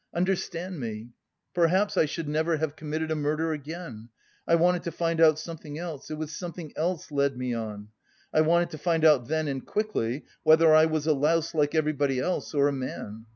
Understand me! Perhaps I should never have committed a murder again. I wanted to find out something else; it was something else led me on. I wanted to find out then and quickly whether I was a louse like everybody else or a man.